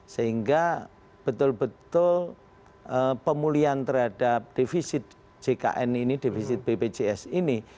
sehingga betul betul pemulihan terhadap defisit jkn ini defisit bpjs ini